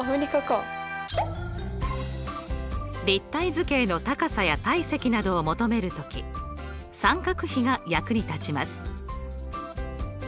立体図形の高さや体積などを求める時三角比が役に立ちます。